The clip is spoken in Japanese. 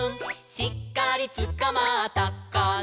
「しっかりつかまったかな」